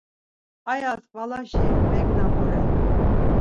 Aya tkvalaşi megna mu ren?